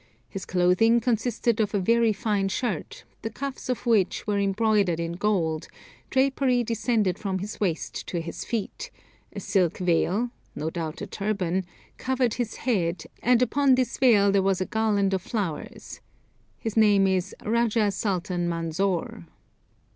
His clothing consisted of a very fine shirt, the cuffs of which were embroidered in gold; drapery descended from his waist to his feet; a silk veil (no doubt a turban) covered his head, and upon this veil there was a garland of flowers. His name is Rajah sultan Manzor."